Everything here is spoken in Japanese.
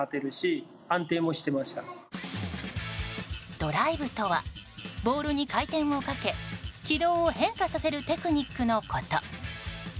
ドライブとはボールに回転をかけ軌道を変化させるテクニックのこと。